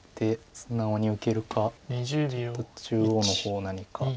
素直に受けるかちょっと中央の方何か。